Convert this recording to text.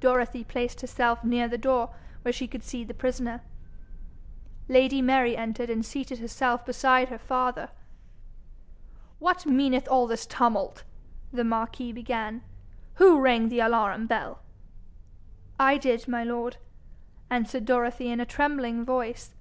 Dorothy placed herself near the door, where she could see the prisoner. Lady Mary entered and seated herself beside her father. 'What meaneth all this tumult?' the marquis began. 'Who rang the alarum bell?' 'I did, my lord,' answered Dorothy in a trembling voice.